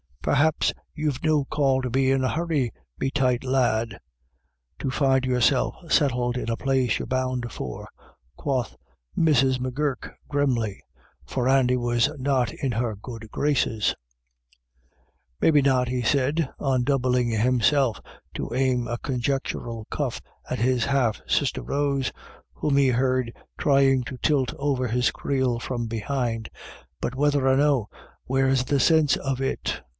"P'rhaps you've no call to be in a hurry, me tight lad, to find yourself settled in the place you re bound for," quoth Mrs. M'Gurk, grimly, for Andy was not in her good graces. 260 IRISH IDYLLS. " Maybe not," he said, undoubling himself to aim a conjectural cuff at his half sister Rose, whom he heard trying to tilt over his creel from behind, "but, whether or no, where's the sinse of it